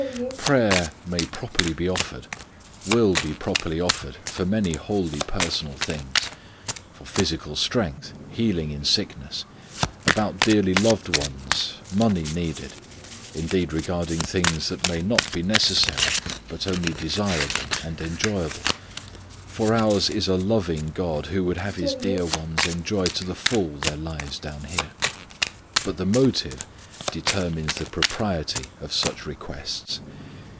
Prayer may properly be offered will be properly offered for many wholly personal things; for physical strength, healing in sickness, about dearly loved ones, money needed; indeed regarding things that may not be necessary but only desirable and enjoyable, for ours is a loving God who would have His dear ones enjoy to the full their lives down here. But the motive determines the propriety of such requests.